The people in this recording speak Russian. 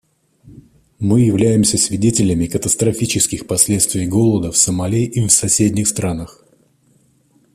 Мы являемся свидетелями катастрофических последствий голода в Сомали и в соседних странах.